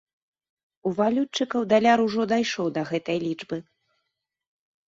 У валютчыкаў даляр ужо дайшоў да гэтай лічбы.